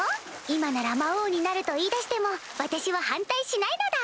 今なら魔王になると言いだしても私は反対しないのだ。